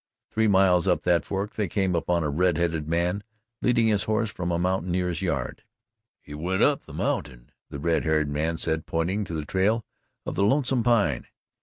Three miles up that fork they came upon a red headed man leading his horse from a mountaineer's yard. "He went up the mountain," the red haired man said, pointing to the trail of the Lonesome Pine.